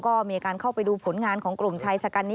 ก็มีการเข้าไปดูผลงานของกลุ่มชายชะกันนี้